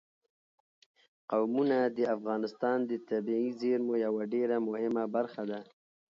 قومونه د افغانستان د طبیعي زیرمو یوه ډېره مهمه برخه ده.